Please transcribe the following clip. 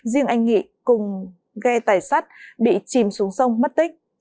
riêng anh nghị cùng ghe tài sát bị chìm xuống sông mất tích